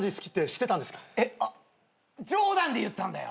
えっあっ冗談で言ったんだよ。